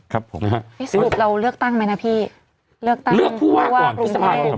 ครับผมนะฮะเอ๊ะสรุปเราเลือกตั้งไหมนะพี่เลือกตั้งเลือกผู้ว่าก่อนผู้ว่าก่อน